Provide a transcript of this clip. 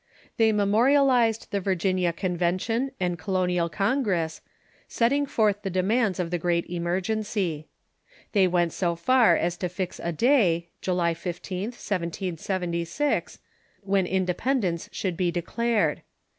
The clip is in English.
They memorialized the Virginia Convention and Colonial Congress, setting forth the demands of the great emergenc3\ They went so far as to fix a day (July 15th, 1776) when independence should be declared.